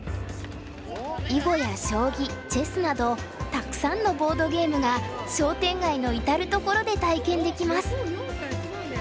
囲碁や将棋チェスなどたくさんのボードゲームが商店街の至る所で体験できます。